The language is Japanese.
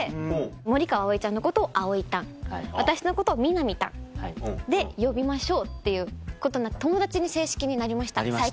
森川葵ちゃんのことを葵たん私のことを美波たんで呼びましょうっていうことに友達に正式になりました最近。